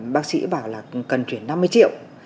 bác sĩ bảo là cần chuyển năm mươi triệu